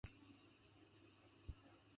His family had a farm at Wrecclesham.